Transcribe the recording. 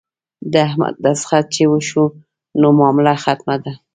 د احمد دستخط چې وشو نو معامله ختمه ده.